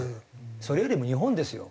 それよりも日本ですよ。